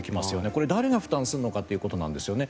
これは誰が負担するのかということなんですね。